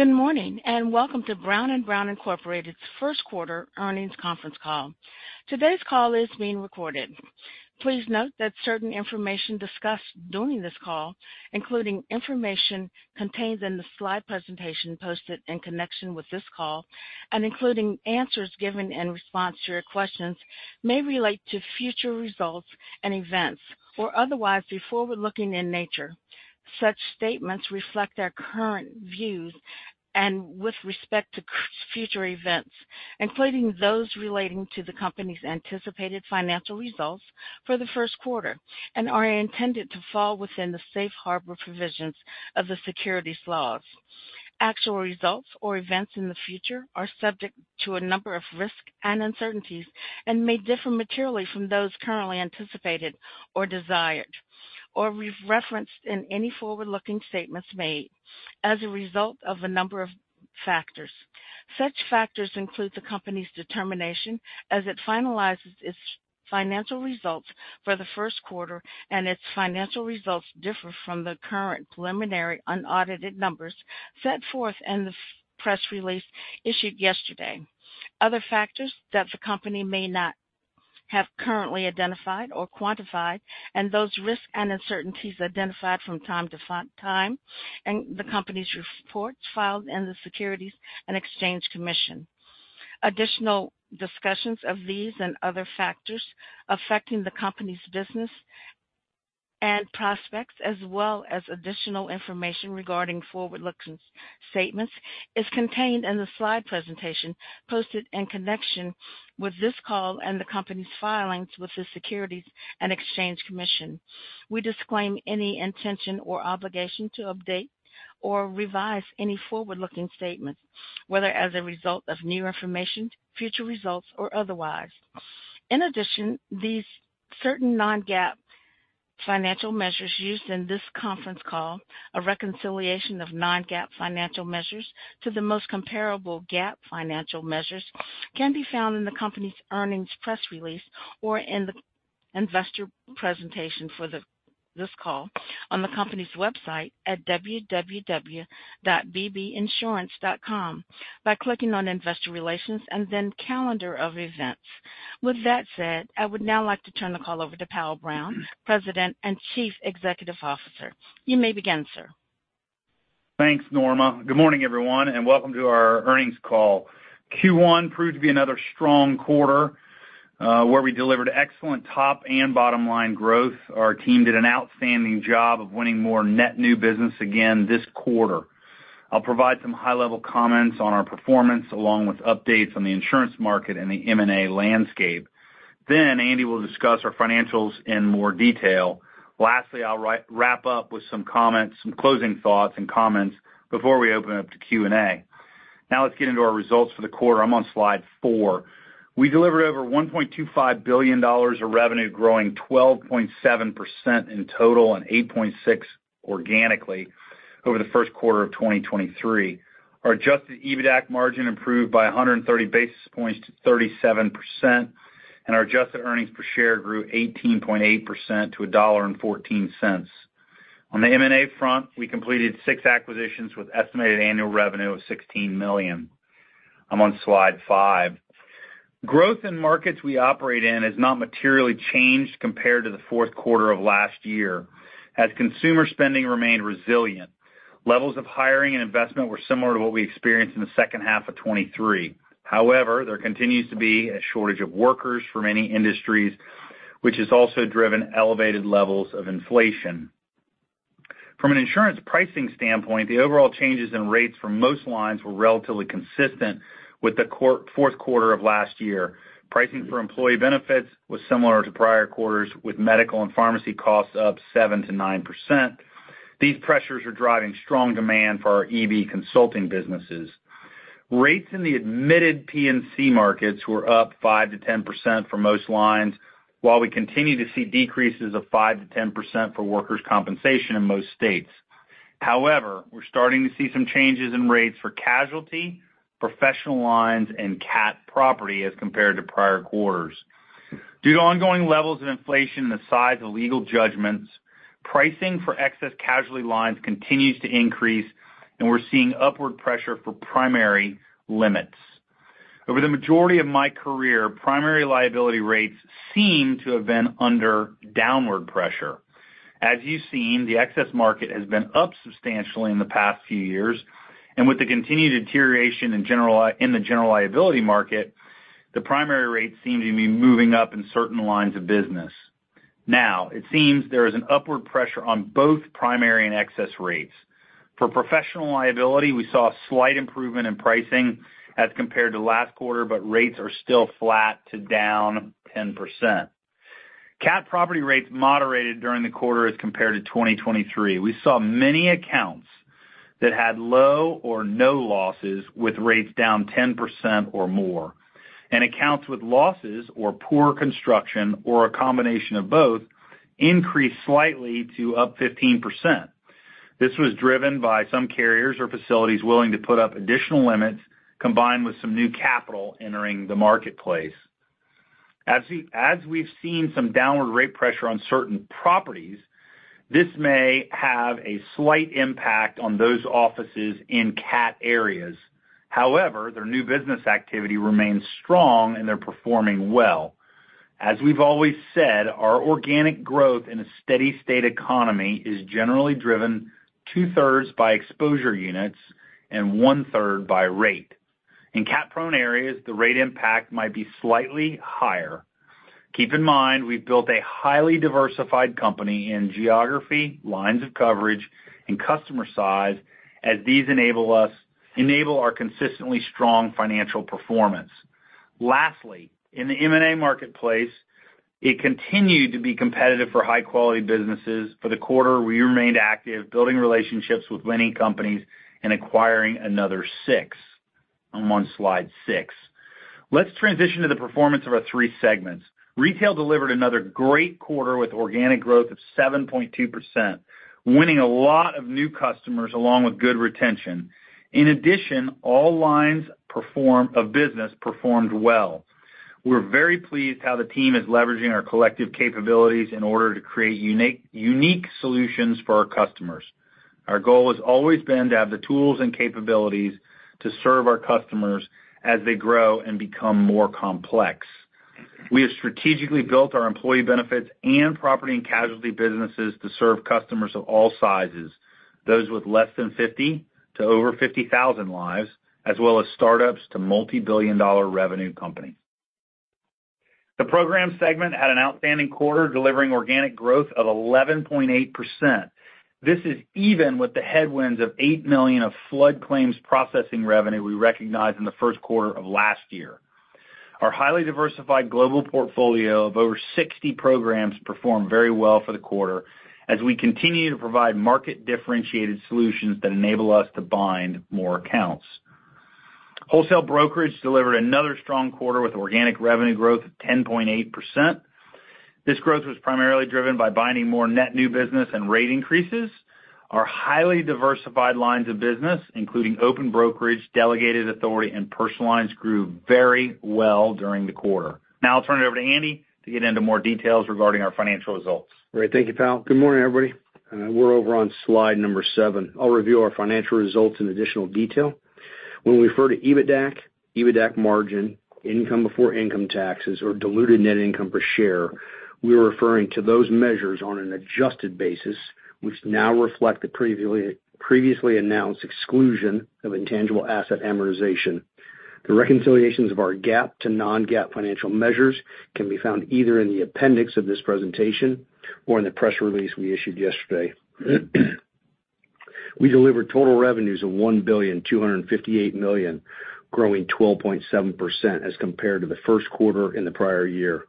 Good morning and welcome to Brown & Brown Incorporated's first-quarter earnings conference call. Today's call is being recorded. Please note that certain information discussed during this call, including information contained in the slide presentation posted in connection with this call, and including answers given in response to your questions, may relate to future results and events or otherwise be forward-looking in nature. Such statements reflect our current views with respect to future events, including those relating to the company's anticipated financial results for the first quarter, and are intended to fall within the safe harbor provisions of the securities laws. Actual results or events in the future are subject to a number of risk and uncertainties and may differ materially from those currently anticipated or desired, or referenced in any forward-looking statements made as a result of a number of factors. Such factors include the company's determination as it finalizes its financial results for the first quarter and its financial results differ from the current preliminary unaudited numbers set forth in the press release issued yesterday. Other factors that the company may not have currently identified or quantified, and those risks and uncertainties identified from time to time in the company's reports filed in the Securities and Exchange Commission. Additional discussions of these and other factors affecting the company's business and prospects, as well as additional information regarding forward-looking statements, is contained in the slide presentation posted in connection with this call and the company's filings with the Securities and Exchange Commission. We disclaim any intention or obligation to update or revise any forward-looking statements, whether as a result of new information, future results, or otherwise. In addition, these certain non-GAAP financial measures used in this conference call, a reconciliation of non-GAAP financial measures to the most comparable GAAP financial measures, can be found in the company's earnings press release or in the investor presentation for this call on the company's website at www.bbinsurance.com by clicking on Investor Relations and then Calendar of Events. With that said, I would now like to turn the call over to Powell Brown, President and Chief Executive Officer. You may begin, sir. Thanks, Norma. Good morning, everyone, and welcome to our earnings call. Q1 proved to be another strong quarter where we delivered excellent top and bottom line growth. Our team did an outstanding job of winning more net new business again this quarter. I'll provide some high-level comments on our performance along with updates on the insurance market and the M&A landscape. Then Andy will discuss our financials in more detail. Lastly, I'll wrap up with some closing thoughts and comments before we open up to Q&A. Now let's get into our results for the quarter. I'm on slide 4. We delivered over $1.25 billion of revenue, growing 12.7% in total and 8.6% organically over the first quarter of 2023. Our adjusted EBITDA margin improved by 130 basis points to 37%, and our adjusted earnings per share grew 18.8% to $1.14. On the M&A front, we completed six acquisitions with estimated annual revenue of $16 million. I'm on slide 5. Growth in markets we operate in has not materially changed compared to the fourth quarter of last year as consumer spending remained resilient. Levels of hiring and investment were similar to what we experienced in the second half of 2023. However, there continues to be a shortage of workers from many industries, which has also driven elevated levels of inflation. From an insurance pricing standpoint, the overall changes in rates for most lines were relatively consistent with the fourth quarter of last year. Pricing for employee benefits was similar to prior quarters, with medical and pharmacy costs up 7%-9%. These pressures are driving strong demand for our EB consulting businesses. Rates in the admitted P&C markets were up 5%-10% for most lines, while we continue to see decreases of 5%-10% for workers' compensation in most states. However, we're starting to see some changes in rates for casualty, professional lines, and CAT property as compared to prior quarters. Due to ongoing levels of inflation and the size of legal judgments, pricing for excess casualty lines continues to increase, and we're seeing upward pressure for primary limits. Over the majority of my career, primary liability rates seem to have been under downward pressure. As you've seen, the excess market has been up substantially in the past few years, and with the continued deterioration in the general liability market, the primary rates seem to be moving up in certain lines of business. Now, it seems there is an upward pressure on both primary and excess rates. For professional liability, we saw a slight improvement in pricing as compared to last quarter, but rates are still flat to down 10%. CAT property rates moderated during the quarter as compared to 2023. We saw many accounts that had low or no losses with rates down 10% or more, and accounts with losses or poor construction or a combination of both increased slightly to up 15%. This was driven by some carriers or facilities willing to put up additional limits combined with some new capital entering the marketplace. As we've seen some downward rate pressure on certain properties, this may have a slight impact on those offices in CAT areas. However, their new business activity remains strong, and they're performing well. As we've always said, our organic growth in a steady-state economy is generally driven two-thirds by exposure units and one-third by rate. In CAT-prone areas, the rate impact might be slightly higher. Keep in mind, we've built a highly diversified company in geography, lines of coverage, and customer size as these enable our consistently strong financial performance. Lastly, in the M&A marketplace, it continued to be competitive for high-quality businesses. For the quarter, we remained active, building relationships with winning companies, and acquiring another six. I'm on slide 6. Let's transition to the performance of our three segments. Retail delivered another great quarter with organic growth of 7.2%, winning a lot of new customers along with good retention. In addition, all lines of business performed well. We're very pleased how the team is leveraging our collective capabilities in order to create unique solutions for our customers. Our goal has always been to have the tools and capabilities to serve our customers as they grow and become more complex. We have strategically built our employee benefits and property and casualty businesses to serve customers of all sizes, those with less than 50 to over 50,000 lives, as well as startups to multi-billion-dollar revenue companies. The program segment had an outstanding quarter delivering organic growth of 11.8%. This is even with the headwinds of $8 million of flood claims processing revenue we recognized in the first quarter of last year. Our highly diversified global portfolio of over 60 programs performed very well for the quarter as we continue to provide market-differentiated solutions that enable us to bind more accounts. Wholesale Brokerage delivered another strong quarter with organic revenue growth of 10.8%. This growth was primarily driven by binding more net new business and rate increases. Our highly diversified lines of business, including open brokerage, delegated authority, and personal lines, grew very well during the quarter. Now I'll turn it over to Andy to get into more details regarding our financial results. Great. Thank you, Powell. Good morning, everybody. We're over on slide number seven. I'll review our financial results in additional detail. When we refer to EBITDA, EBITDA margin, income before income taxes, or diluted net income per share, we're referring to those measures on an adjusted basis, which now reflect the previously announced exclusion of intangible asset amortization. The reconciliations of our GAAP to non-GAAP financial measures can be found either in the appendix of this presentation or in the press release we issued yesterday. We delivered total revenues of $1,258 million, growing 12.7% as compared to the first quarter in the prior year.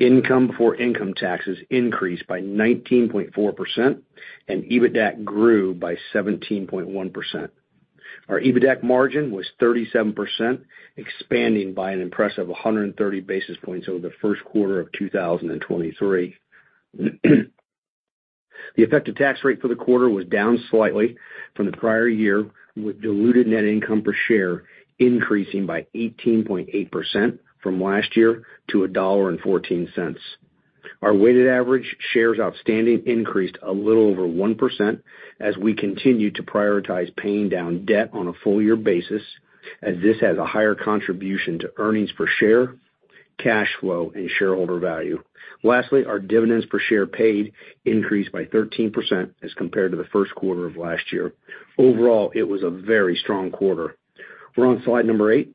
Income before income taxes increased by 19.4%, and EBITDA grew by 17.1%. Our EBITDA margin was 37%, expanding by an impressive 130 basis points over the first quarter of 2023. The effective tax rate for the quarter was down slightly from the prior year, with diluted net income per share increasing by 18.8% from last year to $1.14. Our weighted average shares outstanding increased a little over 1% as we continue to prioritize paying down debt on a full-year basis, as this has a higher contribution to earnings per share, cash flow, and shareholder value. Lastly, our dividends per share paid increased by 13% as compared to the first quarter of last year. Overall, it was a very strong quarter. We're on slide number 8.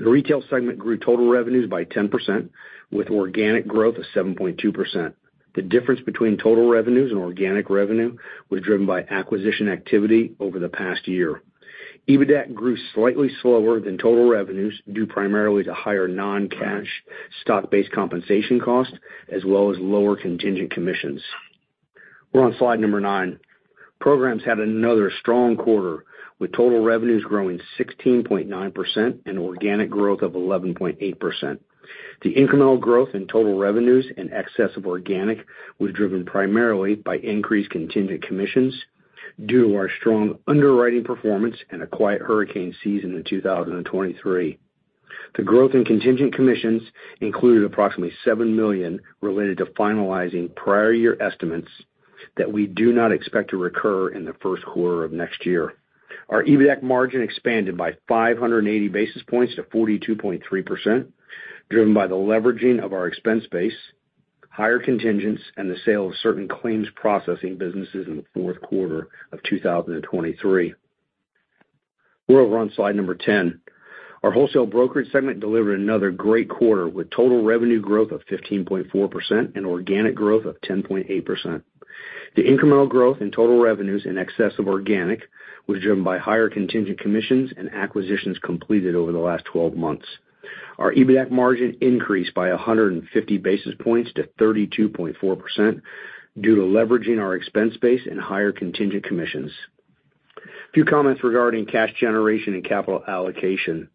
The Retail Segment grew total revenues by 10%, with organic growth of 7.2%. The difference between total revenues and organic revenue was driven by acquisition activity over the past year. EBITDA grew slightly slower than total revenues due primarily to higher non-cash, stock-based compensation costs, as well as lower contingent commissions. We're on slide number 9. Programs had another strong quarter, with total revenues growing 16.9% and organic growth of 11.8%. The incremental growth in total revenues and excess of organic was driven primarily by increased contingent commissions due to our strong underwriting performance and a quiet hurricane season in 2023. The growth in contingent commissions included approximately $7 million related to finalizing prior-year estimates that we do not expect to recur in the first quarter of next year. Our EBITDA margin expanded by 580 basis points to 42.3%, driven by the leveraging of our expense base, higher contingents, and the sale of certain claims processing businesses in the fourth quarter of 2023. We're over on slide number 10. Our wholesale brokerage segment delivered another great quarter, with total revenue growth of 15.4% and organic growth of 10.8%. The incremental growth in total revenues in excess of organic was driven by higher contingent commissions and acquisitions completed over the last 12 months. Our EBITDA margin increased by 150 basis points to 32.4% due to leveraging our expense base and higher contingent commissions. A few comments regarding cash generation and capital allocation.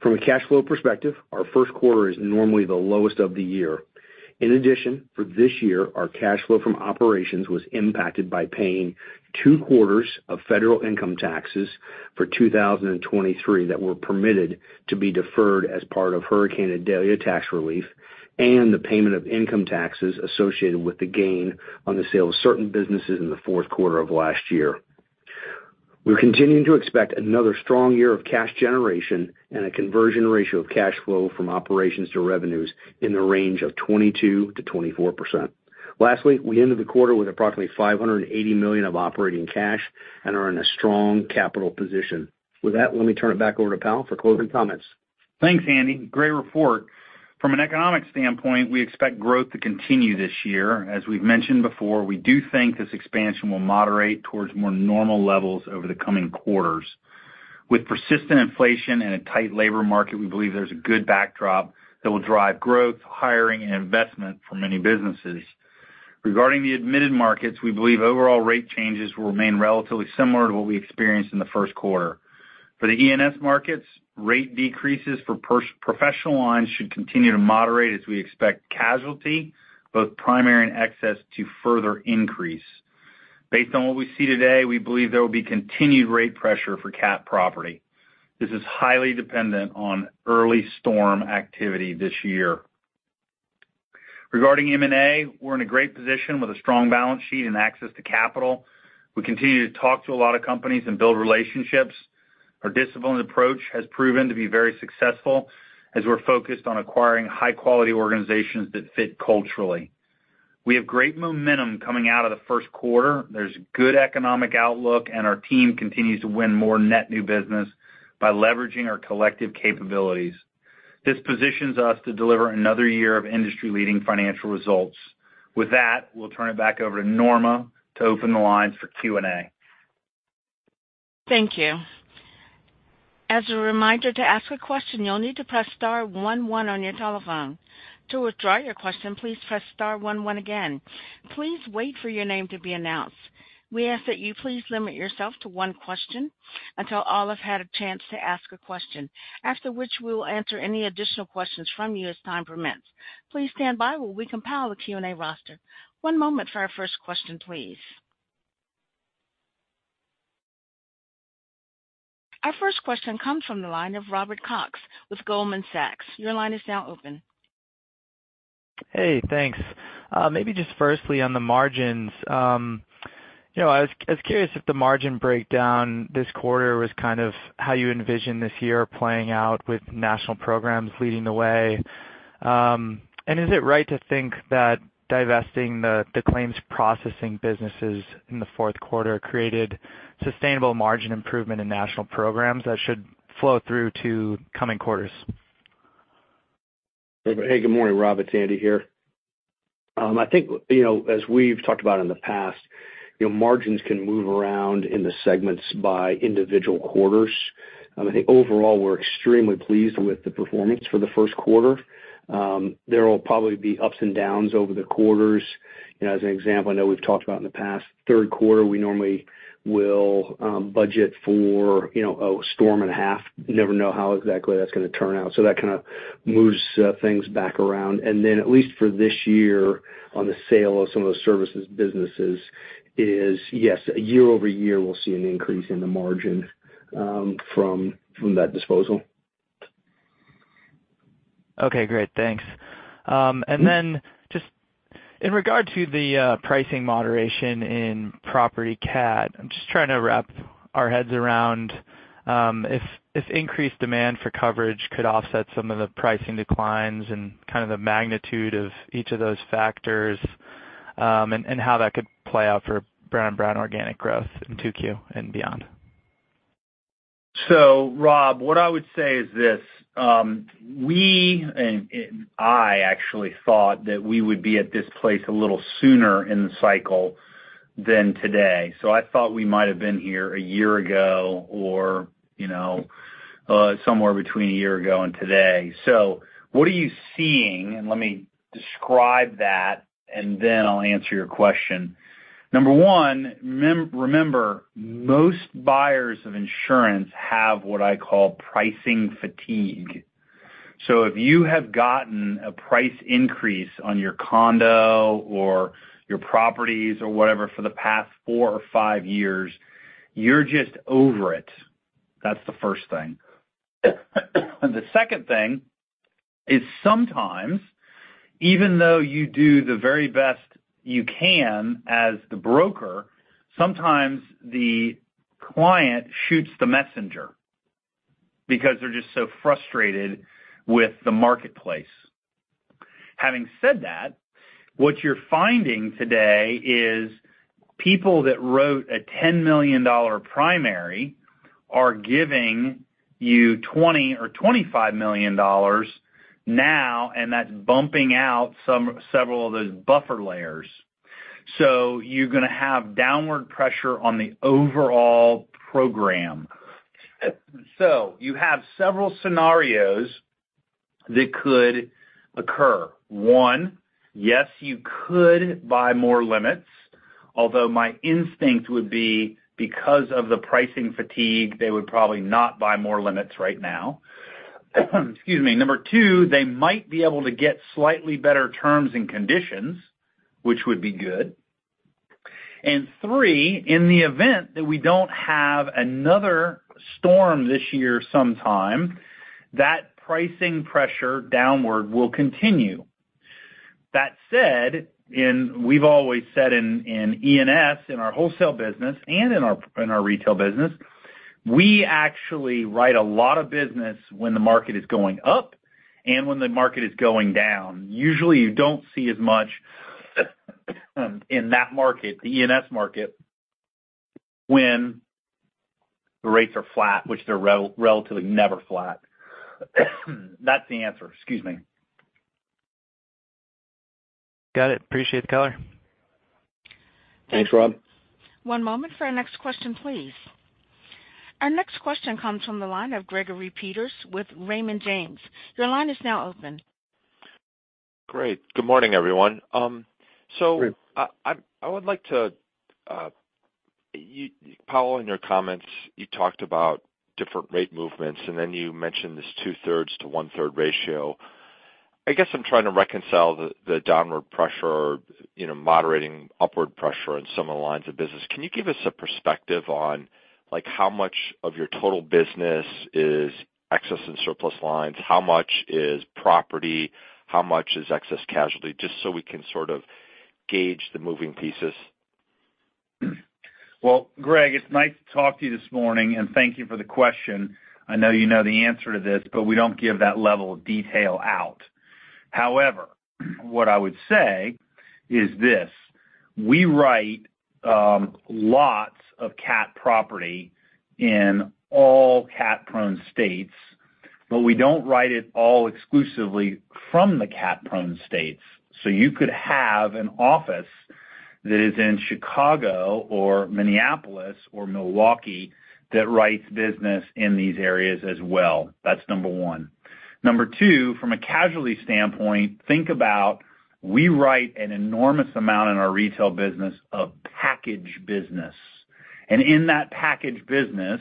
From a cash flow perspective, our first quarter is normally the lowest of the year. In addition, for this year, our cash flow from operations was impacted by paying two quarters of federal income taxes for 2023 that were permitted to be deferred as part of Hurricane Ida tax relief and the payment of income taxes associated with the gain on the sale of certain businesses in the fourth quarter of last year. We're continuing to expect another strong year of cash generation and a conversion ratio of cash flow from operations to revenues in the range of 22%-24%. Lastly, we ended the quarter with approximately $580 million of operating cash and are in a strong capital position. With that, let me turn it back over to Powell for closing comments. Thanks, Andy. Great report. From an economic standpoint, we expect growth to continue this year. As we've mentioned before, we do think this expansion will moderate towards more normal levels over the coming quarters. With persistent inflation and a tight labor market, we believe there's a good backdrop that will drive growth, hiring, and investment for many businesses. Regarding the admitted markets, we believe overall rate changes will remain relatively similar to what we experienced in the first quarter. For the E&S markets, rate decreases for professional lines should continue to moderate as we expect casualty, both primary and excess, to further increase. Based on what we see today, we believe there will be continued rate pressure for CAT property. This is highly dependent on early storm activity this year. Regarding M&A, we're in a great position with a strong balance sheet and access to capital. We continue to talk to a lot of companies and build relationships. Our disciplined approach has proven to be very successful as we're focused on acquiring high-quality organizations that fit culturally. We have great momentum coming out of the first quarter. There's good economic outlook, and our team continues to win more net new business by leveraging our collective capabilities. This positions us to deliver another year of industry-leading financial results. With that, we'll turn it back over to Norma to open the lines for Q&A. Thank you. As a reminder to ask a question, you'll need to press star 11 on your telephone. To withdraw your question, please press star 11 again. Please wait for your name to be announced. We ask that you please limit yourself to one question until all have had a chance to ask a question, after which we will answer any additional questions from you as time permits. Please stand by while we compile the Q&A roster. One moment for our first question, please. Our first question comes from the line of Robert Cox with Goldman Sachs. Your line is now open. Hey, thanks. Maybe just firstly, on the margins, I was curious if the margin breakdown this quarter was kind of how you envision this year playing out with National Programs leading the way. And is it right to think that divesting the Claims Processing businesses in the fourth quarter created sustainable margin improvement in National Programs that should flow through to coming quarters? Hey, good morning. Robert, it's Andy here. I think, as we've talked about in the past, margins can move around in the segments by individual quarters. I think overall, we're extremely pleased with the performance for the first quarter. There will probably be ups and downs over the quarters. As an example, I know we've talked about in the past, third quarter, we normally will budget for a storm and a half. Never know how exactly that's going to turn out. So that kind of moves things back around. And then at least for this year, on the sale of some of those services businesses, yes, year-over-year, we'll see an increase in the margin from that disposal. Okay. Great. Thanks. And then just in regard to the pricing moderation in property CAT, I'm just trying to wrap our heads around if increased demand for coverage could offset some of the pricing declines and kind of the magnitude of each of those factors and how that could play out for Brown & Brown organic growth in 2Q and beyond. So, Rob, what I would say is this. We and I actually thought that we would be at this place a little sooner in the cycle than today. So I thought we might have been here a year ago or somewhere between a year ago and today. So what are you seeing? And let me describe that, and then I'll answer your question. Number one, remember, most buyers of insurance have what I call pricing fatigue. So if you have gotten a price increase on your condo or your properties or whatever for the past four or five years, you're just over it. That's the first thing. The second thing is sometimes, even though you do the very best you can as the broker, sometimes the client shoots the messenger because they're just so frustrated with the marketplace. Having said that, what you're finding today is people that wrote a $10 million primary are giving you $20 million or $25 million now, and that's bumping out several of those buffer layers. So you're going to have downward pressure on the overall program. So you have several scenarios that could occur. One, yes, you could buy more limits, although my instinct would be because of the pricing fatigue, they would probably not buy more limits right now. Excuse me. Number two, they might be able to get slightly better terms and conditions, which would be good. And three, in the event that we don't have another storm this year sometime, that pricing pressure downward will continue. That said, and we've always said in E&S, in our wholesale business and in our retail business, we actually write a lot of business when the market is going up and when the market is going down. Usually, you don't see as much in that market, the E&S market, when the rates are flat, which they're relatively never flat. That's the answer. Excuse me. Got it. Appreciate the color. Thanks, Rob. One moment for our next question, please. Our next question comes from the line of Gregory Peters with Raymond James. Your line is now open. Great. Good morning, everyone. So I would like to Powell, in your comments, you talked about different rate movements, and then you mentioned this 2/3 to 1/3 ratio. I guess I'm trying to reconcile the downward pressure, moderating upward pressure in some of the lines of business. Can you give us a perspective on how much of your total business is excess and surplus lines? How much is property? How much is excess casualty? Just so we can sort of gauge the moving pieces. Well, Greg, it's nice to talk to you this morning, and thank you for the question. I know you know the answer to this, but we don't give that level of detail out. However, what I would say is this. We write lots of CAT property in all CAT-prone states, but we don't write it all exclusively from the CAT-prone states. So you could have an office that is in Chicago or Minneapolis or Milwaukee that writes business in these areas as well. That's number one. Number two, from a casualty standpoint, think about we write an enormous amount in our retail business of package business. And in that package business,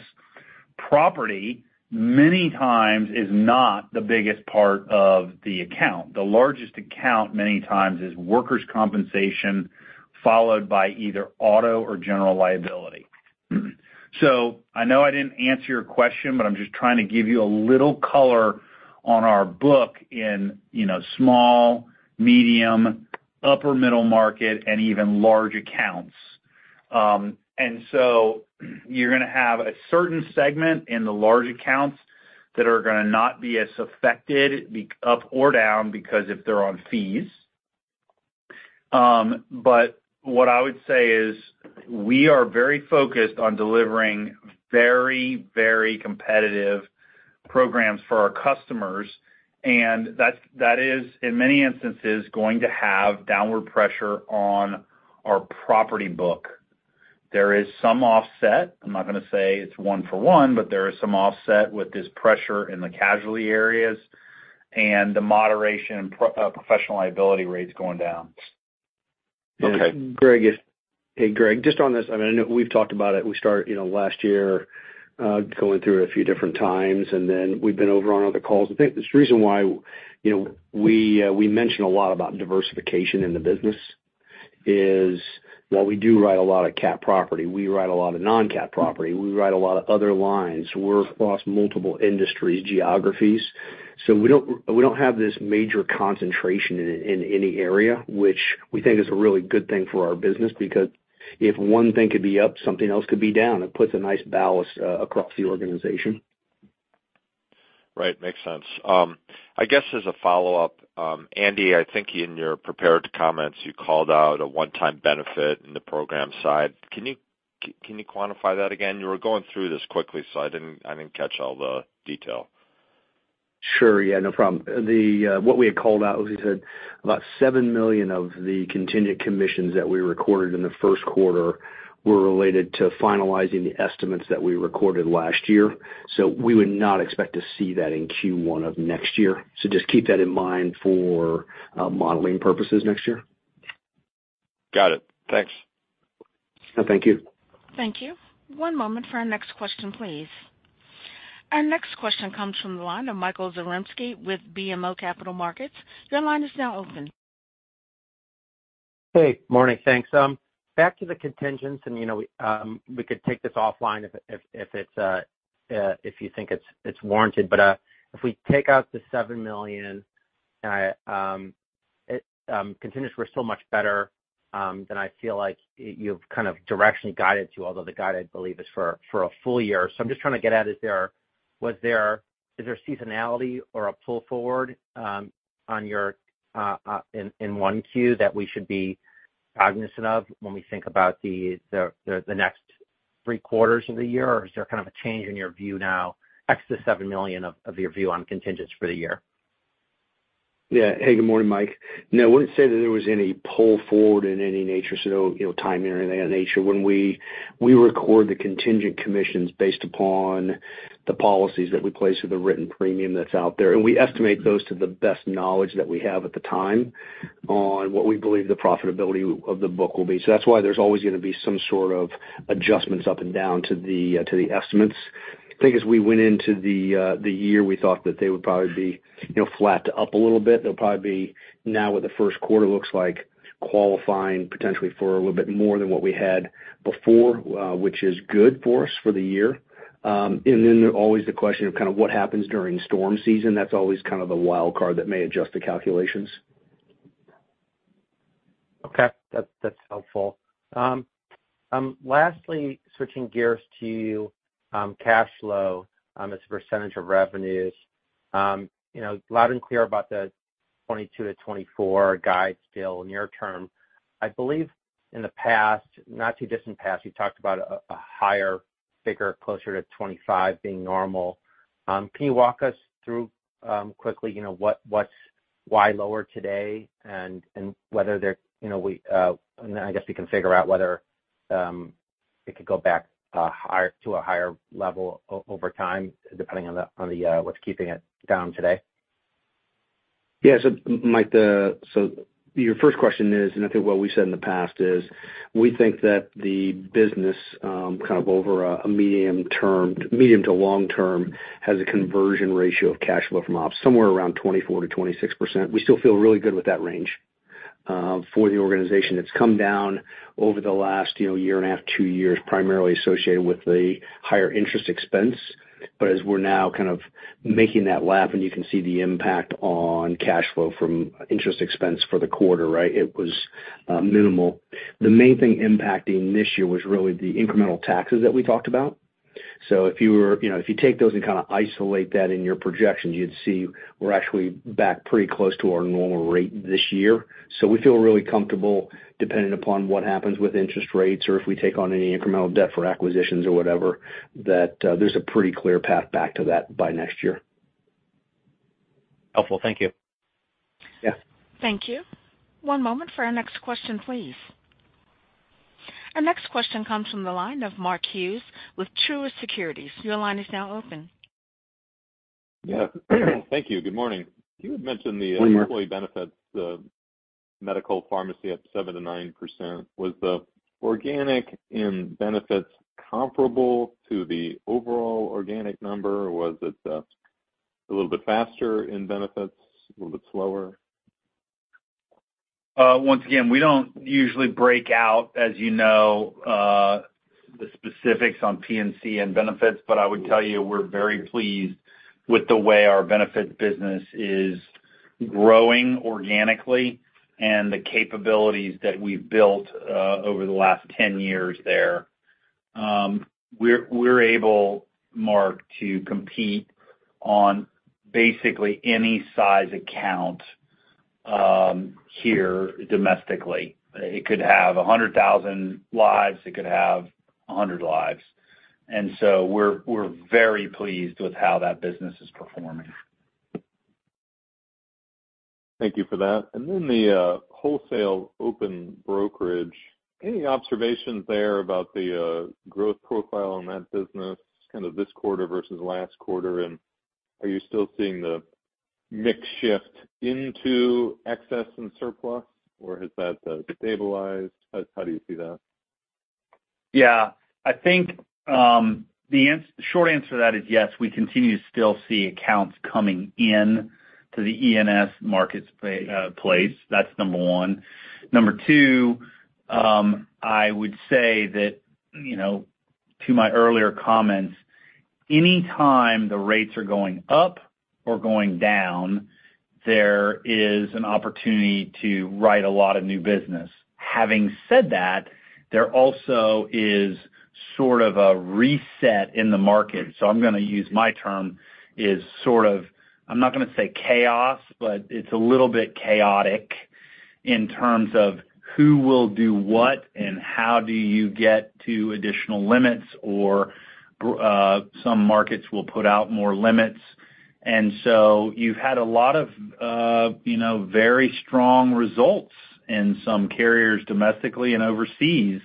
property many times is not the biggest part of the account. The largest account many times is workers' compensation followed by either auto or general liability. So I know I didn't answer your question, but I'm just trying to give you a little color on our book in small, medium, upper-middle market, and even large accounts. And so you're going to have a certain segment in the large accounts that are going to not be as affected up or down because if they're on fees. But what I would say is we are very focused on delivering very, very competitive programs for our customers. And that is, in many instances, going to have downward pressure on our property book. There is some offset. I'm not going to say it's one-for-one, but there is some offset with this pressure in the casualty areas and the moderation and professional liability rates going down. Hey, Greg. Just on this, I mean, I know we've talked about it. We started last year going through it a few different times, and then we've been over on other calls. I think the reason why we mention a lot about diversification in the business is while we do write a lot of CAT property, we write a lot of non-CAT property. We write a lot of other lines. We're across multiple industries, geographies. So we don't have this major concentration in any area, which we think is a really good thing for our business because if one thing could be up, something else could be down. It puts a nice balance across the organization. Right. Makes sense. I guess as a follow-up, Andy, I think in your prepared comments, you called out a one-time benefit in the program side. Can you quantify that again? You were going through this quickly, so I didn't catch all the detail. Sure. Yeah. No problem. What we had called out, as you said, about $7 million of the contingent commissions that we recorded in the first quarter were related to finalizing the estimates that we recorded last year. So we would not expect to see that in Q1 of next year. So just keep that in mind for modeling purposes next year. Got it. Thanks. Thank you. Thank you. One moment for our next question, please. Our next question comes from the line of Michael Zaremski with BMO Capital Markets. Your line is now open. Hey. Morning. Thanks. Back to the contingents, and we could take this offline if you think it's warranted. But if we take out the $7 million contingents, we're still much better. Then I feel like you've kind of directionally guided to, although the guide, I believe, is for a full year. So I'm just trying to get at, is there seasonality or a pull forward in one Q that we should be cognizant of when we think about the next three quarters of the year? Or is there kind of a change in your view now, ex the $7 million of your view on contingents for the year? Yeah. Hey, good morning, Mike. No, I wouldn't say that there was any pull forward in any nature, so no time or anything of that nature. When we record the contingent commissions based upon the policies that we place with the written premium that's out there, and we estimate those to the best knowledge that we have at the time on what we believe the profitability of the book will be. So that's why there's always going to be some sort of adjustments up and down to the estimates. I think as we went into the year, we thought that they would probably be flat to up a little bit. They'll probably be now, with the first quarter, looks like qualifying potentially for a little bit more than what we had before, which is good for us for the year. And then always the question of kind of what happens during storm season. That's always kind of the wild card that may adjust the calculations. Okay. That's helpful. Lastly, switching gears to cash flow, it's a percentage of revenues. Loud and clear about the 2022 to 2024 guide still near term. I believe in the past, not too distant past, you talked about a higher, bigger, closer to 25 being normal. Can you walk us through quickly why lower today and whether there and I guess we can figure out whether it could go back to a higher level over time, depending on what's keeping it down today? Yeah. So, Mike, so your first question is, and I think what we said in the past is, we think that the business kind of over a medium- to long-term has a conversion ratio of cash flow from ops somewhere around 24%-26%. We still feel really good with that range for the organization. It's come down over the last year and a half, two years, primarily associated with the higher interest expense. But as we're now kind of making that lap, and you can see the impact on cash flow from interest expense for the quarter, right, it was minimal. The main thing impacting this year was really the incremental taxes that we talked about. So if you take those and kind of isolate that in your projections, you'd see we're actually back pretty close to our normal rate this year. We feel really comfortable, depending upon what happens with interest rates or if we take on any incremental debt for acquisitions or whatever, that there's a pretty clear path back to that by next year. Helpful. Thank you. Thank you. One moment for our next question, please. Our next question comes from the line of Mark Hughes with Truist Securities. Your line is now open. Yeah. Thank you. Good morning. You had mentioned the employee benefits, the medical pharmacy at 7%-9%. Was the organic in benefits comparable to the overall organic number? Was it a little bit faster in benefits, a little bit slower? Once again, we don't usually break out, as you know, the specifics on P&C and benefits. But I would tell you we're very pleased with the way our benefits business is growing organically and the capabilities that we've built over the last 10 years there. We're able, Mark, to compete on basically any size account here domestically. It could have 100,000 lives. It could have 100 lives. And so we're very pleased with how that business is performing. Thank you for that. And then the Wholesale Brokerage, any observations there about the growth profile in that business, kind of this quarter versus last quarter? And are you still seeing the mix shift into excess and surplus, or has that stabilized? How do you see that? Yeah. I think the short answer to that is yes. We continue to still see accounts coming into the E&S marketplace. That's number 1. Number 2, I would say that to my earlier comments, anytime the rates are going up or going down, there is an opportunity to write a lot of new business. Having said that, there also is sort of a reset in the market. So I'm going to use my term is sort of I'm not going to say chaos, but it's a little bit chaotic in terms of who will do what, and how do you get to additional limits, or some markets will put out more limits. And so you've had a lot of very strong results in some carriers domestically and overseas.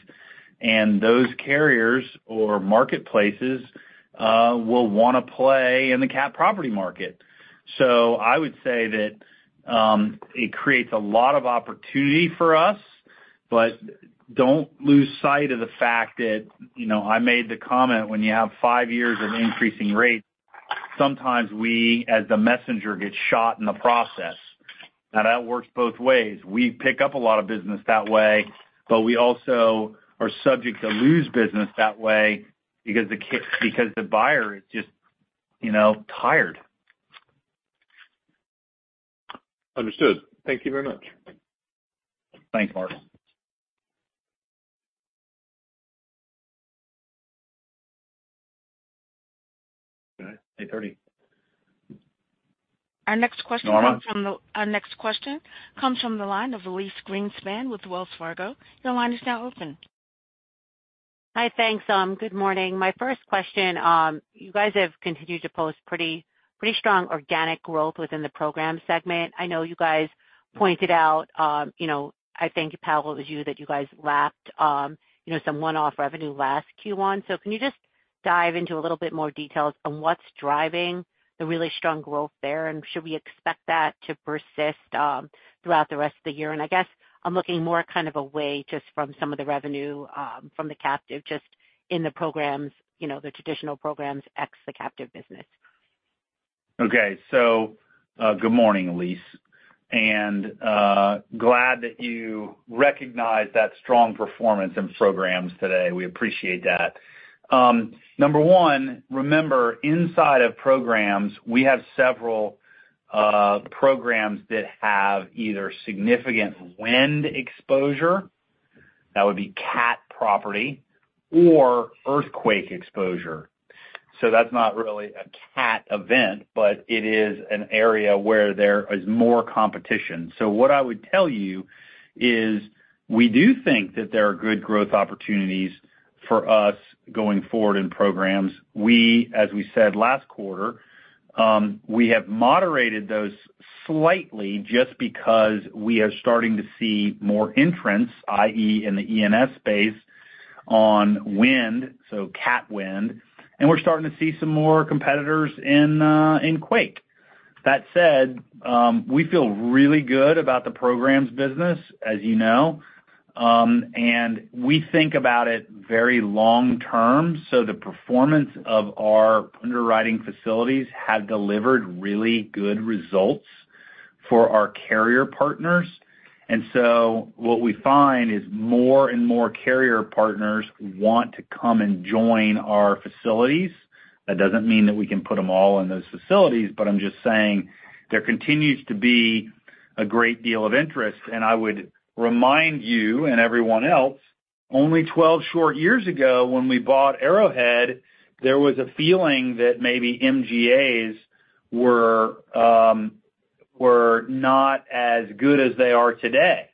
And those carriers or marketplaces will want to play in the CAT property market. So I would say that it creates a lot of opportunity for us, but don't lose sight of the fact that I made the comment when you have five years of increasing rates, sometimes we, as the messenger, get shot in the process. Now, that works both ways. We pick up a lot of business that way, but we also are subject to lose business that way because the buyer is just tired. Understood. Thank you very much. Thanks, Mark. Okay. Our next question comes from the line of Elyse Greenspan with Wells Fargo. Your line is now open. Hi. Thanks. Good morning. My first question, you guys have continued to post pretty strong organic growth within the program segment. I know you guys pointed out I think, Powell, it was you that you guys lapped some one-off revenue last Q1. So can you just dive into a little bit more details on what's driving the really strong growth there? And should we expect that to persist throughout the rest of the year? And I guess I'm looking more kind of away just from some of the revenue from the captive, just in the programs, the traditional programs, ex the captive business. Okay. So good morning, Elyse. And glad that you recognize that strong performance in programs today. We appreciate that. Number one, remember, inside of programs, we have several programs that have either significant wind exposure. That would be CAT property or earthquake exposure. So that's not really a CAT event, but it is an area where there is more competition. So what I would tell you is we do think that there are good growth opportunities for us going forward in programs. As we said last quarter, we have moderated those slightly just because we are starting to see more entrants, i.e., in the E&S space on wind, so CAT wind. And we're starting to see some more competitors in quake. That said, we feel really good about the programs business, as you know. And we think about it very long term. So the performance of our underwriting facilities have delivered really good results for our carrier partners. And so what we find is more and more carrier partners want to come and join our facilities. That doesn't mean that we can put them all in those facilities, but I'm just saying there continues to be a great deal of interest. And I would remind you and everyone else, only 12 short years ago when we bought Arrowhead, there was a feeling that maybe MGAs were not as good as they are today.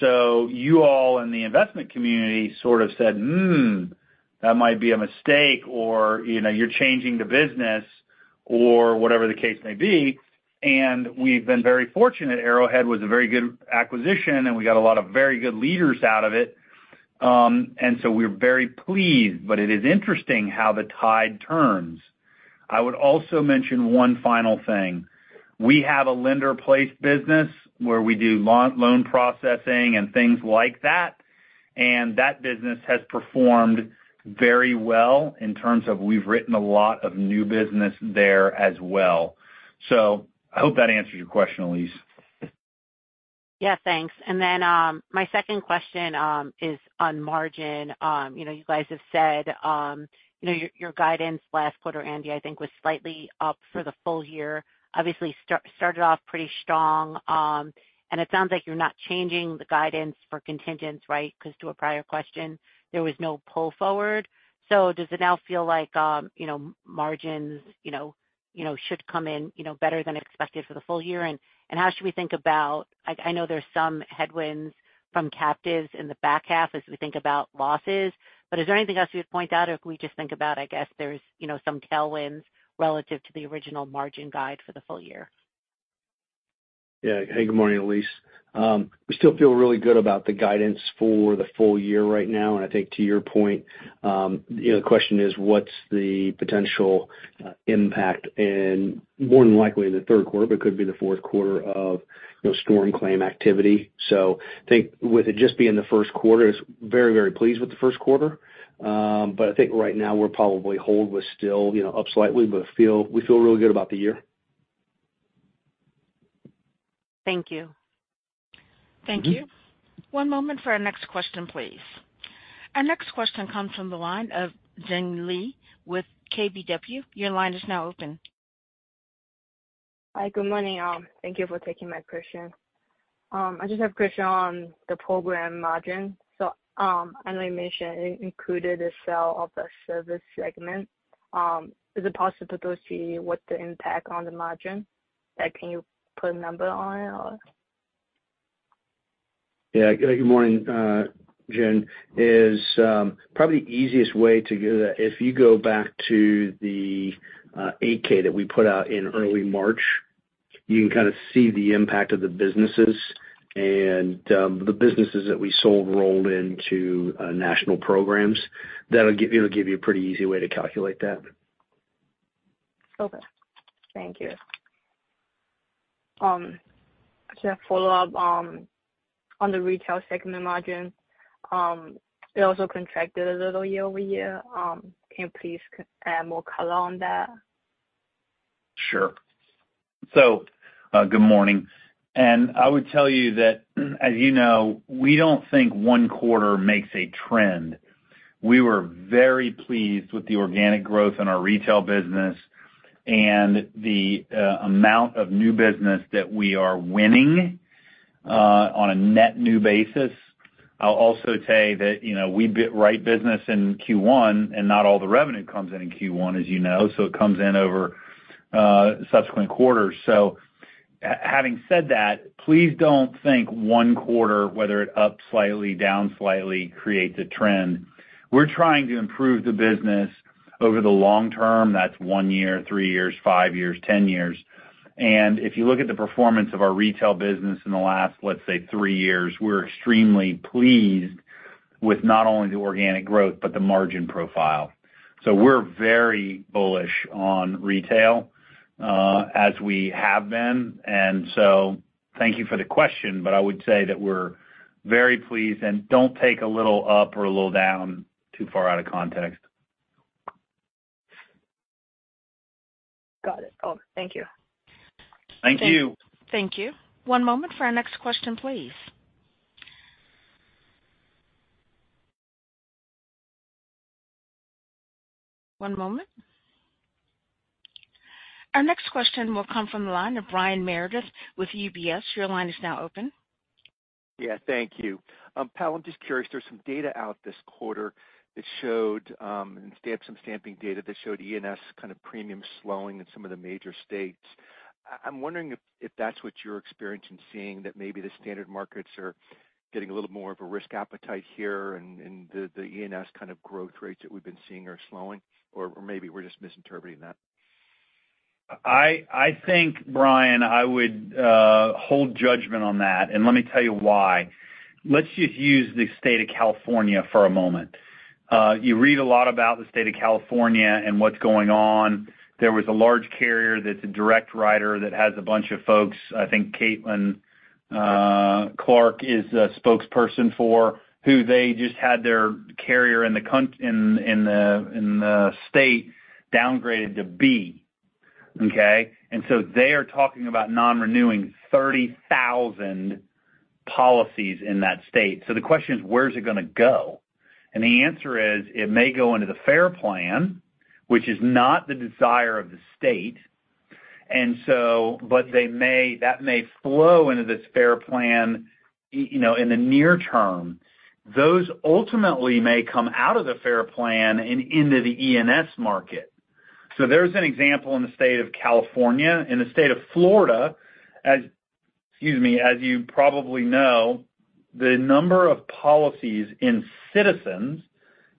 So you all in the investment community sort of said, "that might be a mistake," or, "You're changing the business," or whatever the case may be. And we've been very fortunate. Arrowhead was a very good acquisition, and we got a lot of very good leaders out of it. And so we're very pleased. It is interesting how the tide turns. I would also mention one final thing. We have a lender-placed business where we do loan processing and things like that. And that business has performed very well in terms of we've written a lot of new business there as well. So I hope that answers your question, Elyse. Yeah. Thanks. And then my second question is on margin. You guys have said your guidance last quarter, Andy, I think, was slightly up for the full year. Obviously, started off pretty strong. And it sounds like you're not changing the guidance for contingents, right? Because to a prior question, there was no pull forward. So does it now feel like margins should come in better than expected for the full year? And how should we think about? I know there's some headwinds from captives in the back half as we think about losses. But is there anything else you would point out or can we just think about? I guess, there's some tailwinds relative to the original margin guide for the full year? Yeah. Hey, good morning, Eliyse. We still feel really good about the guidance for the full year right now. I think to your point, the question is what's the potential impact and more than likely in the third quarter, but could be the fourth quarter of storm claim activity. I think with it just being the first quarter, it's very, very pleased with the first quarter. I think right now, we're probably hold was still up slightly, but we feel really good about the year. Thank you. Thank you. One moment for our next question, please. Our next question comes from the line of Jing Li with KBW. Your line is now open. Hi. Good morning, Al. Thank you for taking my question. I just have a question on the program margin. So as I mentioned, it included a sale of the service segment. Is it possible to see what the impact on the margin? Can you put a number on it, or? Yeah. Good morning, Jing. Probably the easiest way to do that, if you go back to the 8-K that we put out in early March, you can kind of see the impact of the businesses. And the businesses that we sold rolled into National Programs. That'll give you a pretty easy way to calculate that. Okay. Thank you. Just a follow-up on the Retail segment margin. It also contracted a little year-over-year. Can you please add more color on that? Sure. Good morning. I would tell you that, as you know, we don't think one quarter makes a trend. We were very pleased with the organic growth in our retail business and the amount of new business that we are winning on a net new basis. I'll also tell you that we write business in Q1, and not all the revenue comes in in Q1, as you know. Having said that, please don't think one quarter, whether it ups slightly, downs slightly, creates a trend. We're trying to improve the business over the long term. That's 1 year, 3 years, 5 years, 10 years. If you look at the performance of our retail business in the last, let's say, 3 years, we're extremely pleased with not only the organic growth but the margin profile. We're very bullish on retail as we have been. So thank you for the question, but I would say that we're very pleased. Don't take a little up or a little down too far out of context. Got it. Oh, thank you. Thank you. Thank you. One moment for our next question, please. One moment. Our next question will come from the line of Brian Meredith with UBS. Your line is now open. Yeah. Thank you. Powell, I'm just curious. There's some data out this quarter that showed some stamping data that showed E&S kind of premium slowing in some of the major states. I'm wondering if that's what you're experiencing, seeing that maybe the standard markets are getting a little more of a risk appetite here and the E&S kind of growth rates that we've been seeing are slowing, or maybe we're just misinterpreting that. I think, Brian, I would hold judgment on that. Let me tell you why. Let's just use the state of California for a moment. You read a lot about the state of California and what's going on. There was a large carrier that's a direct writer that has a bunch of folks. I think Caitlin Clark is a spokesperson for who they just had their carrier in the state downgraded to B, okay? So they are talking about non-renewing 30,000 policies in that state. So the question is, where's it going to go? The answer is it may go into the FAIR Plan, which is not the desire of the state. But that may flow into this FAIR Plan in the near term. Those ultimately may come out of the FAIR Plan and into the E&S market. So there's an example in the state of California. In the state of Florida, excuse me, as you probably know, the number of policies in Citizens,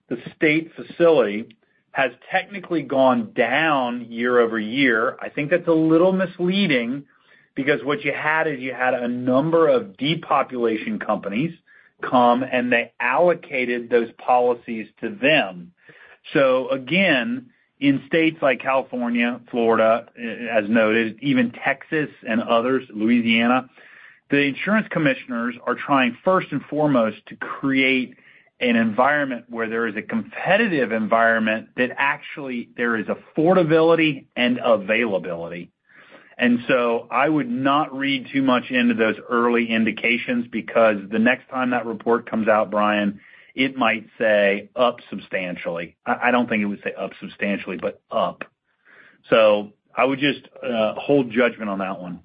the state facility, has technically gone down year-over-year. I think that's a little misleading because what you had is you had a number of depopulation companies come, and they allocated those policies to them. So again, in states like California, Florida, as noted, even Texas and others, Louisiana, the insurance commissioners are trying first and foremost to create an environment where there is a competitive environment that actually there is affordability and availability. And so I would not read too much into those early indications because the next time that report comes out, Brian, it might say up substantially. I don't think it would say up substantially, but up. So I would just hold judgment on that one.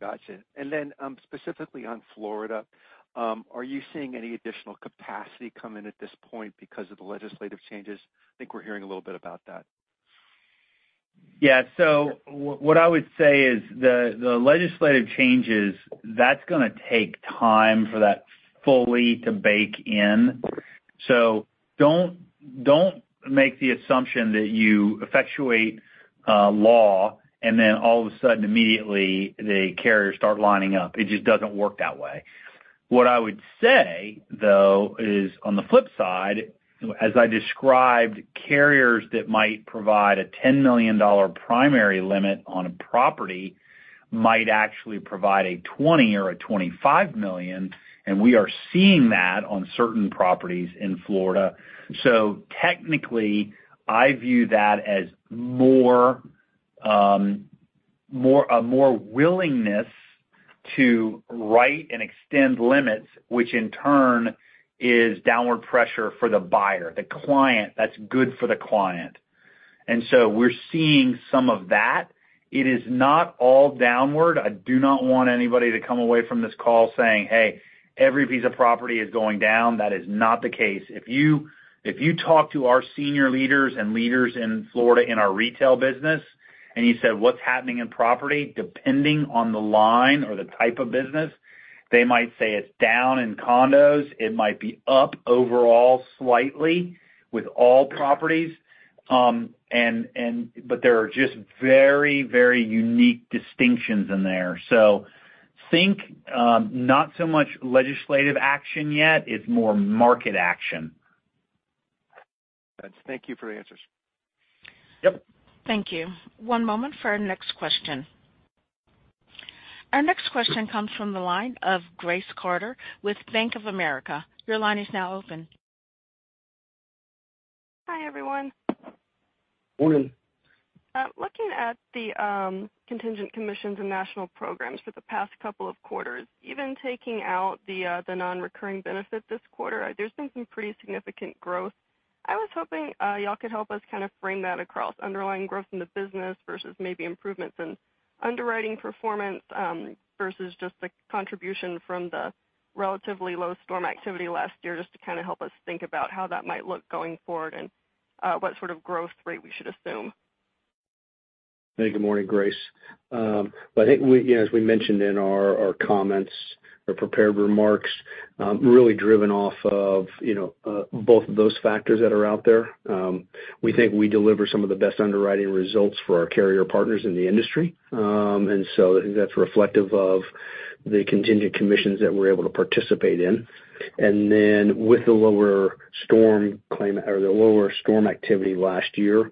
Gotcha. And then specifically on Florida, are you seeing any additional capacity come in at this point because of the legislative changes? I think we're hearing a little bit about that. Yeah. So what I would say is the legislative changes, that's going to take time for that fully to bake in. So don't make the assumption that you effectuate law and then all of a sudden, immediately, the carriers start lining up. It just doesn't work that way. What I would say, though, is on the flip side, as I described, carriers that might provide a $10 million primary limit on a property might actually provide a $20 million or a $25 million. And we are seeing that on certain properties in Florida. So technically, I view that as a more willingness to write and extend limits, which in turn is downward pressure for the buyer, the client. That's good for the client. And so we're seeing some of that. It is not all downward. I do not want anybody to come away from this call saying, "Hey, every piece of property is going down." That is not the case. If you talk to our senior leaders and leaders in Florida in our retail business and you said, "What's happening in property?" depending on the line or the type of business, they might say it's down in condos. It might be up overall slightly with all properties. But there are just very, very unique distinctions in there. So think not so much legislative action yet. It's more market action. Gotcha. Thank you for the answers. Yep. Thank you. One moment for our next question. Our next question comes from the line of Grace Carter with Bank of America. Your line is now open. Hi, everyone. Morning. Looking at the Contingent Commissions and National Programs for the past couple of quarters, even taking out the non-recurring benefit this quarter, there's been some pretty significant growth. I was hoping y'all could help us kind of frame that across, underlying growth in the business versus maybe improvements in underwriting performance versus just the contribution from the relatively low storm activity last year, just to kind of help us think about how that might look going forward and what sort of growth rate we should assume. Hey, good morning, Grace. But I think, as we mentioned in our comments or prepared remarks, really driven off of both of those factors that are out there, we think we deliver some of the best underwriting results for our carrier partners in the industry. And so I think that's reflective of the contingent commissions that we're able to participate in. And then with the lower storm claim or the lower storm activity last year,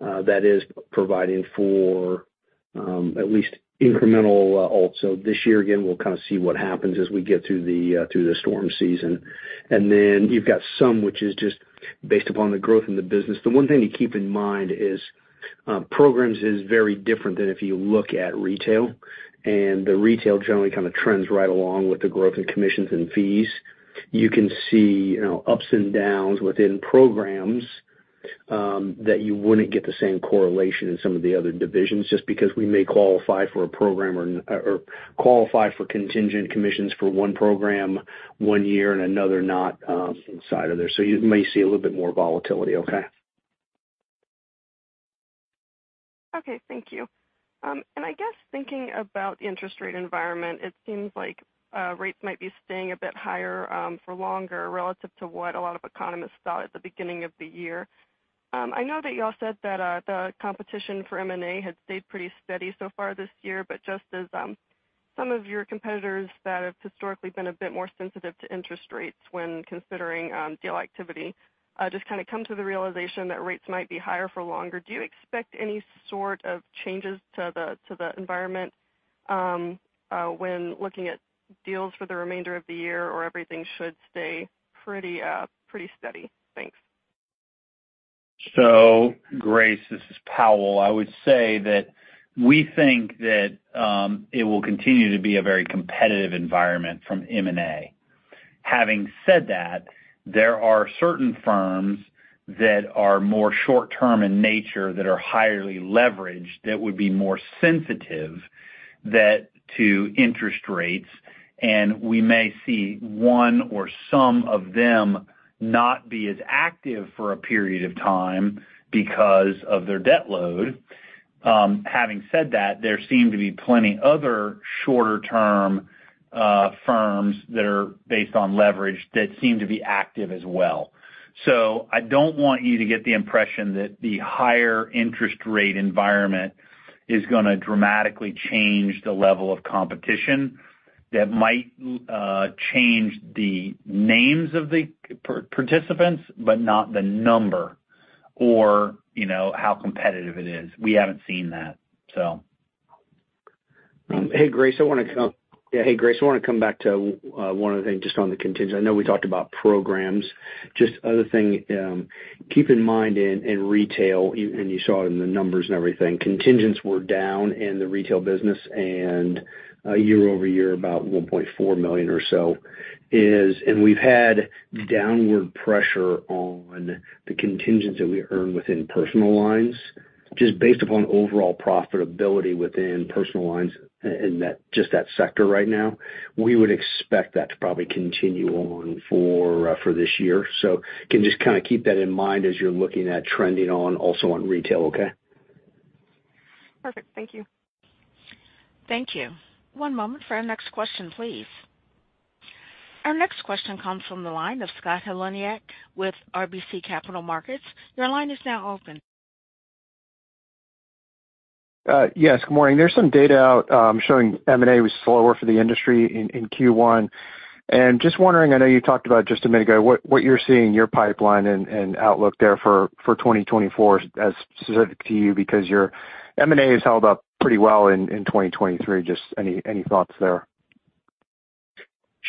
that is providing for at least incremental lifts. So this year, again, we'll kind of see what happens as we get through the storm season. And then you've got some, which is just based upon the growth in the business. The one thing to keep in mind is programs is very different than if you look at retail. And the retail generally kind of trends right along with the growth in commissions and fees. You can see ups and downs within programs that you wouldn't get the same correlation in some of the other divisions just because we may qualify for a program or qualify for contingent commissions for one program one year and another not inside of there. So you may see a little bit more volatility, okay? Okay. Thank you. And I guess thinking about the interest rate environment, it seems like rates might be staying a bit higher for longer relative to what a lot of economists thought at the beginning of the year. I know that y'all said that the competition for M&A had stayed pretty steady so far this year. But just as some of your competitors that have historically been a bit more sensitive to interest rates when considering deal activity just kind of come to the realization that rates might be higher for longer, do you expect any sort of changes to the environment when looking at deals for the remainder of the year or everything should stay pretty steady? Thanks. So, Grace, this is Powell. I would say that we think that it will continue to be a very competitive environment from M&A. Having said that, there are certain firms that are more short-term in nature that are highly leveraged that would be more sensitive to interest rates. And we may see one or some of them not be as active for a period of time because of their debt load. Having said that, there seem to be plenty other shorter-term firms that are based on leverage that seem to be active as well. So I don't want you to get the impression that the higher interest rate environment is going to dramatically change the level of competition. That might change the names of the participants but not the number or how competitive it is. We haven't seen that, so. Hey, Grace. I want to come yeah. Hey, Grace. I want to come back to one other thing just on the contingent. I know we talked about programs. Just other thing, keep in mind in retail, and you saw it in the numbers and everything, contingents were down in the retail business year over year about $1.4 million or so. And we've had downward pressure on the contingents that we earn within personal lines just based upon overall profitability within personal lines in just that sector right now. We would expect that to probably continue on for this year. So can just kind of keep that in mind as you're looking at trending on also on retail, okay? Perfect. Thank you. Thank you. One moment for our next question, please. Our next question comes from the line of Scott Heleniak with RBC Capital Markets. Your line is now open. Yes. Good morning. There's some data out showing M&A was slower for the industry in Q1. Just wondering, I know you talked about just a minute ago what you're seeing, your pipeline and outlook there for 2024 as specific to you because your M&A is held up pretty well in 2023. Just any thoughts there?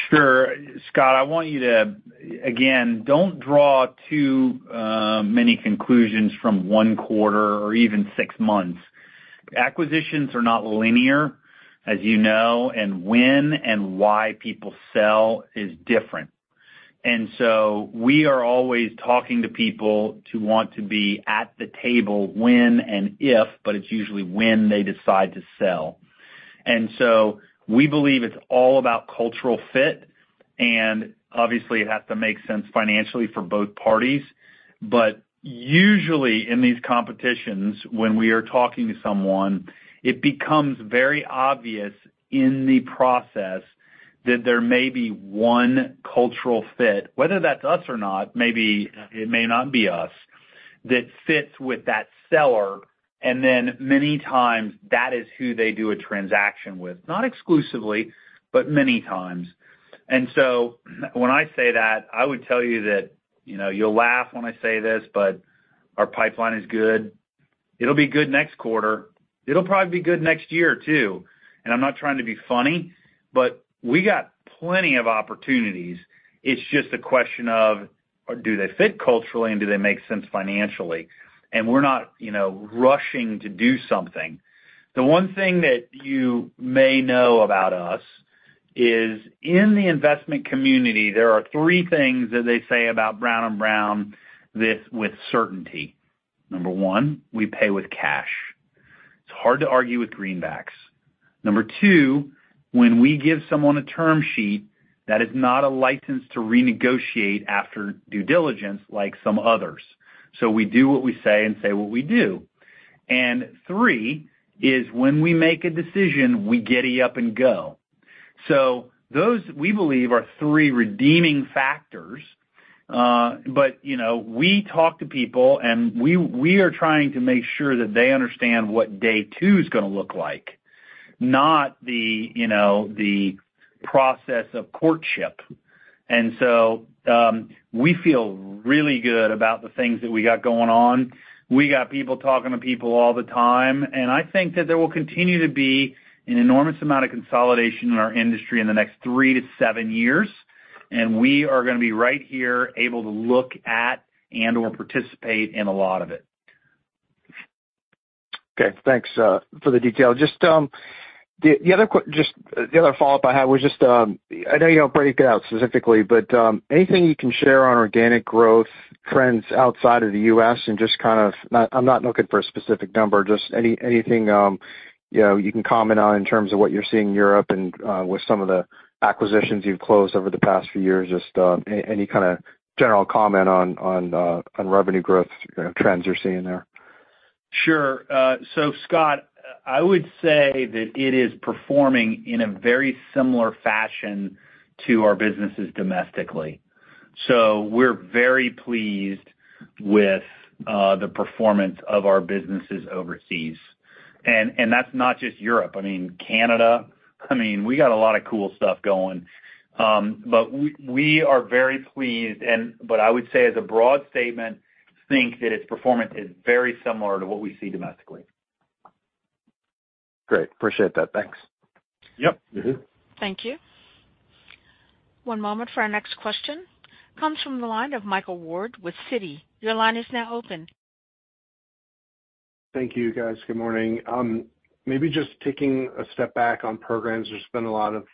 Sure, Scott. I want you to, again, don't draw too many conclusions from one quarter or even six months. Acquisitions are not linear, as you know, and when and why people sell is different. And so we are always talking to people to want to be at the table when and if, but it's usually when they decide to sell. And so we believe it's all about cultural fit. And obviously, it has to make sense financially for both parties. But usually, in these competitions, when we are talking to someone, it becomes very obvious in the process that there may be one cultural fit, whether that's us or not. Maybe it may not be us that fits with that seller. And then many times, that is who they do a transaction with, not exclusively, but many times. And so when I say that, I would tell you that you'll laugh when I say this, but our pipeline is good. It'll be good next quarter. It'll probably be good next year too. And I'm not trying to be funny, but we got plenty of opportunities. It's just a question of, do they fit culturally, and do they make sense financially? And we're not rushing to do something. The one thing that you may know about us is in the investment community, there are three things that they say about Brown & Brown with certainty. Number one, we pay with cash. It's hard to argue with greenbacks. Number two, when we give someone a term sheet, that is not a license to renegotiate after due diligence like some others. So we do what we say and say what we do. And three is when we make a decision, we giddy up and go. So those, we believe, are three redeeming factors. But we talk to people, and we are trying to make sure that they understand what day two is going to look like, not the process of courtship. And so we feel really good about the things that we got going on. We got people talking to people all the time. And I think that there will continue to be an enormous amount of consolidation in our industry in the next three to seven years. And we are going to be right here able to look at and/or participate in a lot of it. Okay. Thanks for the detail. Just the other follow-up I had was just I know you don't break it out specifically, but anything you can share on organic growth trends outside of the U.S. and just kind of I'm not looking for a specific number, just anything you can comment on in terms of what you're seeing in Europe and with some of the acquisitions you've closed over the past few years, just any kind of general comment on revenue growth trends you're seeing there? Sure. So, Scott, I would say that it is performing in a very similar fashion to our businesses domestically. So we're very pleased with the performance of our businesses overseas. And that's not just Europe. I mean, Canada. I mean, we got a lot of cool stuff going. But we are very pleased. But I would say, as a broad statement, think that its performance is very similar to what we see domestically. Great. Appreciate that. Thanks. Yep. Thank you. One moment for our next question. Comes from the line of Michael Ward with Citi. Your line is now open. Thank you, guys. Good morning. Maybe just taking a step back on programs. There's been a lot of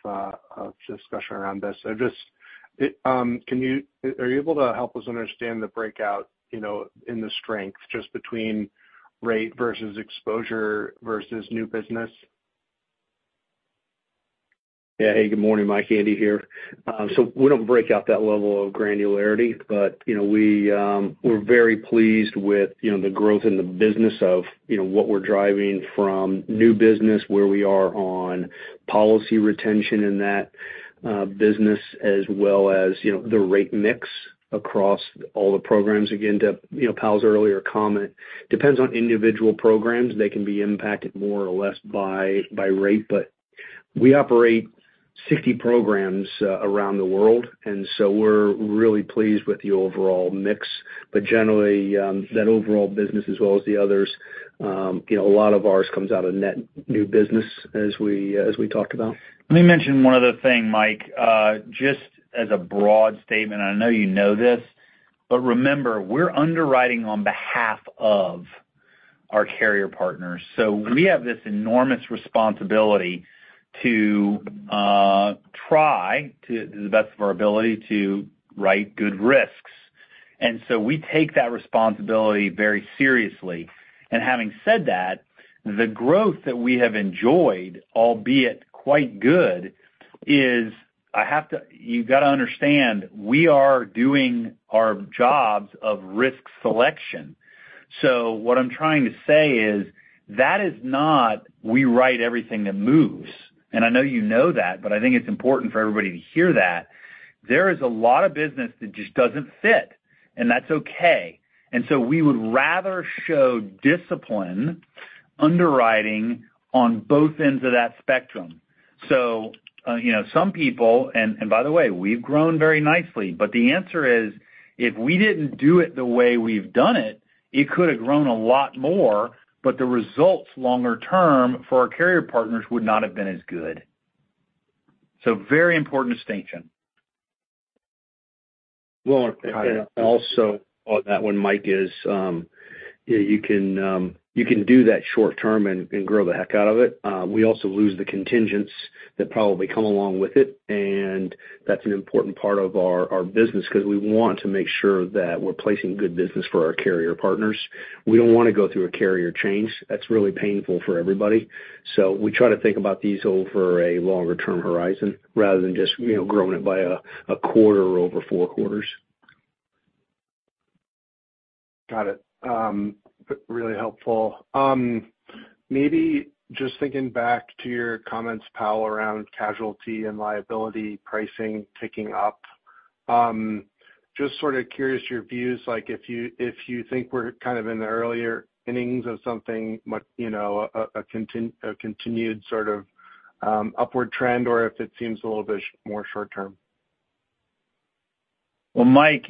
discussion around this. So just are you able to help us understand the breakout in the strength just between rate versus exposure versus new business? Yeah. Hey, good morning. Hi, Andy here. So we don't break out that level of granularity, but we're very pleased with the growth in the business of what we're driving from new business, where we are on policy retention in that business, as well as the rate mix across all the programs. Again, to Powell's earlier comment, depends on individual programs. They can be impacted more or less by rate. But we operate 60 programs around the world. And so we're really pleased with the overall mix. But generally, that overall business, as well as the others, a lot of ours comes out of net new business, as we talked about. Let me mention one other thing, Mike. Just as a broad statement, and I know you know this, but remember, we're underwriting on behalf of our carrier partners. So we have this enormous responsibility to try, to the best of our ability, to write good risks. And so we take that responsibility very seriously. And having said that, the growth that we have enjoyed, albeit quite good, is, you got to understand, we are doing our jobs of risk selection. So what I'm trying to say is that is not we write everything that moves. And I know you know that, but I think it's important for everybody to hear that. There is a lot of business that just doesn't fit. And that's okay. And so we would rather show discipline underwriting on both ends of that spectrum. So some people and by the way, we've grown very nicely. The answer is, if we didn't do it the way we've done it, it could have grown a lot more, but the results longer term for our carrier partners would not have been as good. Very important distinction. Well, and also on that one, Mike, is you can do that short-term and grow the heck out of it. We also lose the contingents that probably come along with it. And that's an important part of our business because we want to make sure that we're placing good business for our carrier partners. We don't want to go through a carrier change. That's really painful for everybody. So we try to think about these over a longer-term horizon rather than just growing it by a quarter or over four quarters. Got it. Really helpful. Maybe just thinking back to your comments, Powell, around casualty and liability pricing ticking up, just sort of curious your views. If you think we're kind of in the earlier innings of something, a continued sort of upward trend, or if it seems a little bit more short-term. Well, Mike,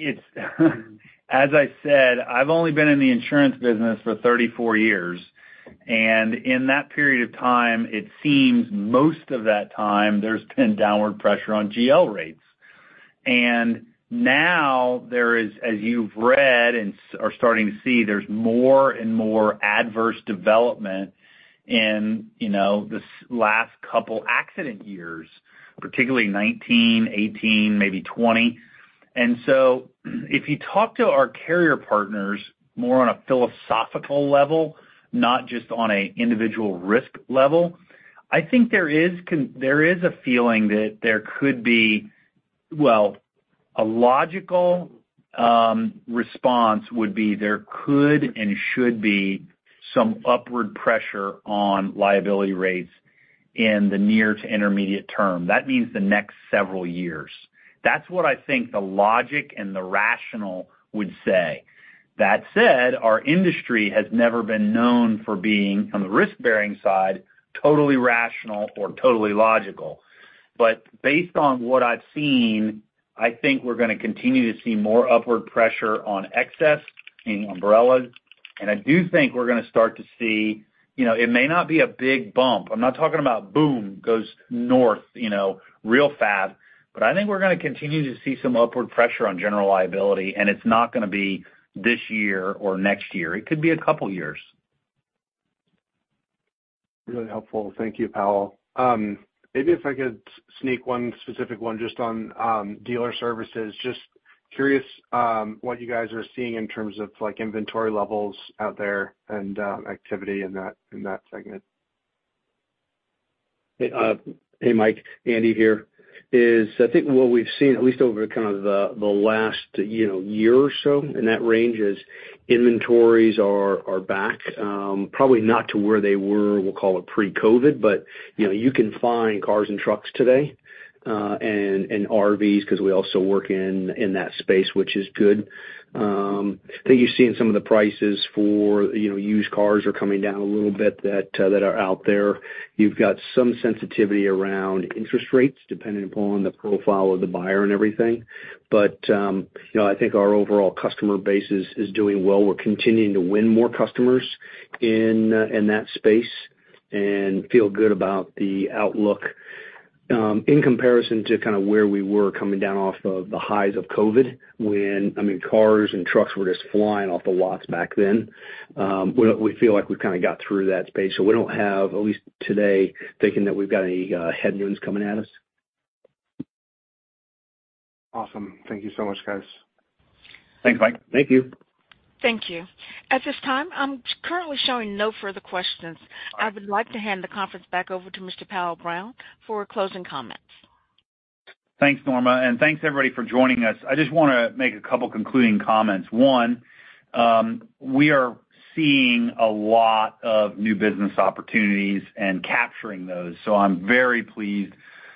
as I said, I've only been in the insurance business for 34 years. And in that period of time, it seems most of that time, there's been downward pressure on GL rates. And now, as you've read and are starting to see, there's more and more adverse development in the last couple accident years, particularly 2019, 2018, maybe 2020. And so if you talk to our carrier partners more on a philosophical level, not just on an individual risk level, I think there is a feeling that there could be well, a logical response would be there could and should be some upward pressure on liability rates in the near to intermediate term. That means the next several years. That's what I think the logic and the rationale would say. That said, our industry has never been known for being, on the risk-bearing side, totally rational or totally logical. But based on what I've seen, I think we're going to continue to see more upward pressure on excess and umbrellas. And I do think we're going to start to see it. It may not be a big bump. I'm not talking about boom, goes north real fast. But I think we're going to continue to see some upward pressure on general liability. And it's not going to be this year or next year. It could be a couple years. Really helpful. Thank you, Powell. Maybe if I could sneak one specific one just on Dealer Services, just curious what you guys are seeing in terms of inventory levels out there and activity in that segment. Hey, Mike. Andy here. I think what we've seen, at least over kind of the last year or so in that range, is inventories are back, probably not to where they were, we'll call it pre-COVID, but you can find cars and trucks today and RVs because we also work in that space, which is good. I think you've seen some of the prices for used cars are coming down a little bit that are out there. You've got some sensitivity around interest rates depending upon the profile of the buyer and everything. But I think our overall customer base is doing well. We're continuing to win more customers in that space and feel good about the outlook in comparison to kind of where we were coming down off of the highs of COVID when, I mean, cars and trucks were just flying off the lots back then. We feel like we've kind of got through that space. So we don't have, at least today, thinking that we've got any headwinds coming at us. Awesome. Thank you so much, guys. Thanks, Mike. Thank you. Thank you. At this time, I'm currently showing no further questions. I would like to hand the conference back over to Mr. Powell Brown for closing comments. Thanks, Norma. And thanks, everybody, for joining us. I just want to make a couple concluding comments. One, we are seeing a lot of new business opportunities and capturing those. So I'm very pleased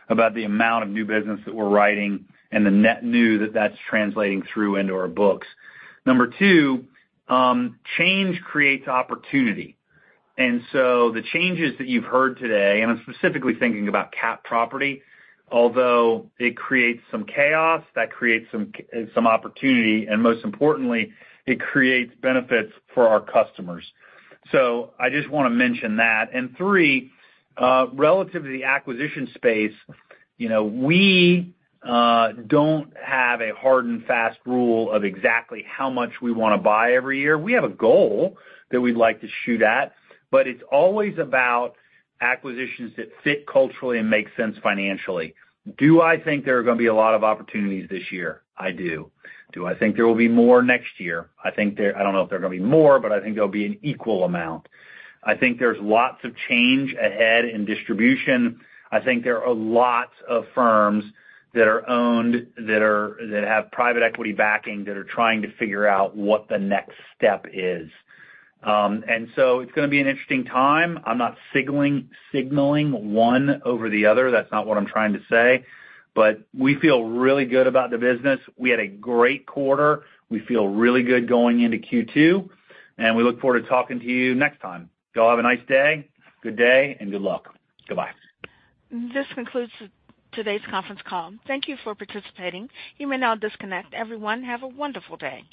about the amount of new business that we're writing and the net new that's translating through into our books. Number two, change creates opportunity. And so the changes that you've heard today and I'm specifically thinking about CAT property, although it creates some chaos, that creates some opportunity. And most importantly, it creates benefits for our customers. So I just want to mention that. And three, relative to the acquisition space, we don't have a hard and fast rule of exactly how much we want to buy every year. We have a goal that we'd like to shoot at. But it's always about acquisitions that fit culturally and make sense financially. Do I think there are going to be a lot of opportunities this year? I do. Do I think there will be more next year? I don't know if there are going to be more, but I think there'll be an equal amount. I think there's lots of change ahead in distribution. I think there are lots of firms that are owned that have private equity backing that are trying to figure out what the next step is. And so it's going to be an interesting time. I'm not signaling one over the other. That's not what I'm trying to say. But we feel really good about the business. We had a great quarter. We feel really good going into Q2. And we look forward to talking to you next time. Y'all have a nice day, good day, and good luck. Goodbye. This concludes today's conference call. Thank you for participating. You may now disconnect. Everyone, have a wonderful day.